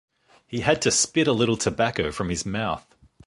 He had to spit a little tobacco from his mouth.